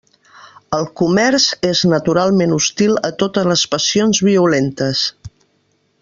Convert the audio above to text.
El comerç és naturalment hostil a totes les passions violentes.